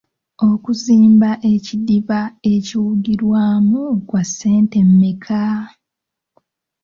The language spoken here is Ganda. Okuzimba ekidiba ekiwugirwamu kwa ssente mmeka?